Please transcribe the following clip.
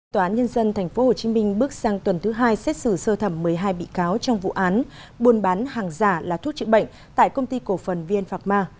tòa án nhân dân tp hcm bước sang tuần thứ hai xét xử sơ thẩm một mươi hai bị cáo trong vụ án buôn bán hàng giả là thuốc chữa bệnh tại công ty cổ phần vn phạc ma